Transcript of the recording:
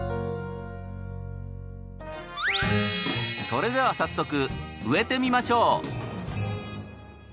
それでは早速植えてみましょう。